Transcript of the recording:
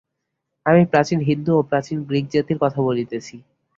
আমি প্রচীন হিন্দু ও প্রাচীন গ্রীকজাতির কথা বলিতেছি।